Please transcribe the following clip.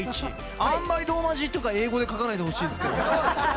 あんまりローマ字とか英語で書かないでほしいですけど。